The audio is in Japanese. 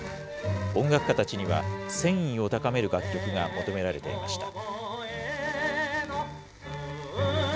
音楽家たちには、戦意を高める楽曲が求められていました。